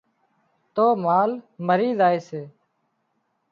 تو مال مرِي زائي سي